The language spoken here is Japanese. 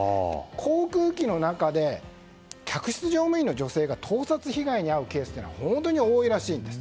航空機の中で客室乗務員の女性が盗撮被害に遭うケースが本当に多いらしいんです。